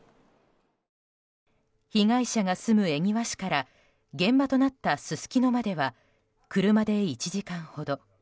被害者が住む恵庭市から現場となったすすきのまでは車で１時間ほど。